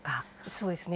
そうですね。